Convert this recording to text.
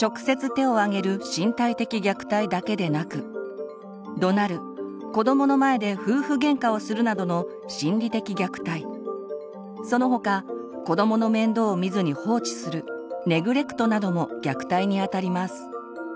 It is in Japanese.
直接手をあげる「身体的虐待」だけでなくどなる子どもの前で夫婦ゲンカをするなどの「心理的虐待」その他子どもの面倒を見ずに放置する「ネグレクト」なども虐待にあたります。